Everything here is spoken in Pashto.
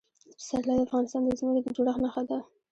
پسرلی د افغانستان د ځمکې د جوړښت نښه ده.